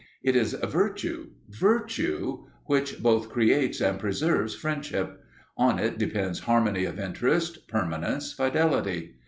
It is virtue, virtue, which both creates and preserves friendship. On it depends harmony of interest, permanence, fidelity.